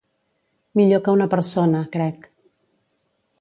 Millor que una persona, crec.